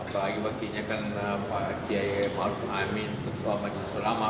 atau lagi lagi kan pak jokowi maruf amin ketua majelis ulama